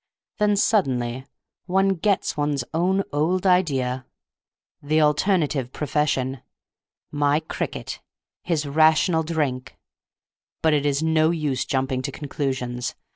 Then suddenly one gets one's own old idea—the alternative profession! My cricket—his Rational Drink! But it is no use jumping to conclusions.